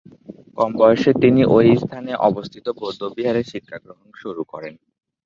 কম বয়সে তিনি ঐ স্থানে অবস্থিত বৌদ্ধবিহারে শিক্ষাগ্রহণ শুরু করেন।